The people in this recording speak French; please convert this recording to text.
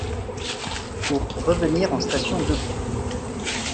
pour revenir en station debout.